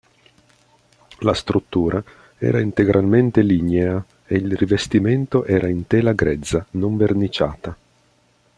La struttura era integralmente lignea e il rivestimento era in tela grezza, non verniciata.